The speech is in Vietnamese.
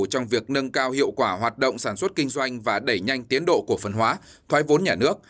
trong việc nâng cao hiệu quả hoạt động sản xuất kinh doanh và đẩy nhanh tiến độ cổ phần hóa thoái vốn nhà nước